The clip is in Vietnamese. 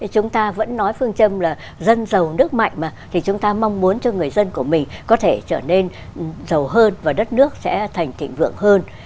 chúng ta vẫn nói phương châm là dân giàu nước mạnh mà thì chúng ta mong muốn cho người dân của mình có thể trở nên giàu hơn và đất nước sẽ thành thịnh vượng hơn